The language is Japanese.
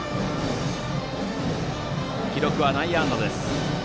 記録は内野安打。